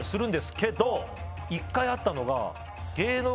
１回あったのが。